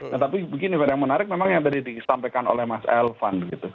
nah tapi begini yang menarik memang yang tadi disampaikan oleh mas elvan